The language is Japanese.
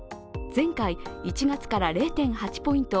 前回１月から０．８ポイント